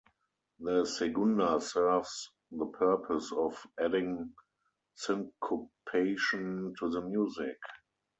The Segunda serves the purpose of adding syncopation to the music.